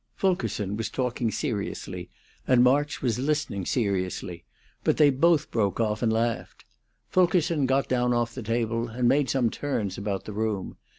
Fulkerson was talking seriously, and March was listening seriously; but they both broke off and laughed. Fulkerson got down off the table and made some turns about the room.